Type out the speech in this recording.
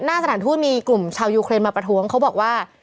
สถานทูตมีกลุ่มชาวยูเครนมาประท้วงเขาบอกว่า